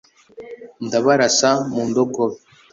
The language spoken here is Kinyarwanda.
ndabarasa mu ndogobe